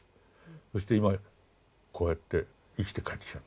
そして今こうやって生きて帰ってきたんだ。